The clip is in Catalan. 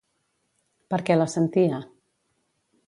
Per què la sentia?